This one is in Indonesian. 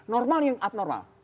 normal yang abnormal